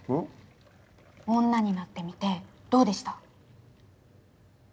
女になってみてどうでした？